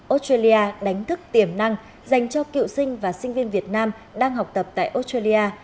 australia đánh thức tiềm năng dành cho cựu sinh và sinh viên việt nam đang học tập tại australia